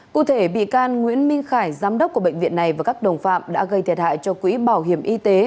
cụ thể bị can nguyễn minh khải giám đốc của bệnh viện này và các đồng phạm đã gây thiệt hại cho quỹ bảo hiểm y tế